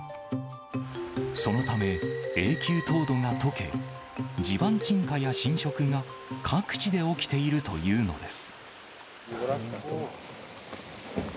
そのため、永久凍土がとけ、地盤沈下や浸食が各地で起きているというのです。